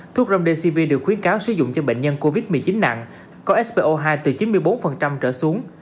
thuốc râm dcv được khuyến cáo sử dụng cho bệnh nhân covid một mươi chín nặng có spo hai từ chín mươi bốn trở xuống